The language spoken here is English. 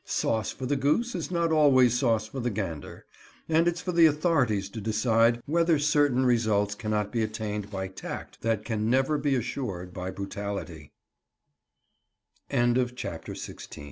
Sauce for the goose is not always sauce for the gander, and it's for the authorities to decide whether certain results cannot be attained by tact that can never be assured by brutality. CHAPTER XVII.